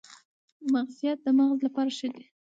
مغزيات د مغز لپاره ښه دي